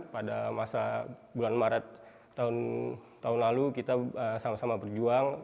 pada masa bulan maret tahun lalu kita sama sama berjuang